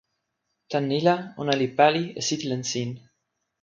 tan ni la, ona li pali e sitelen sin.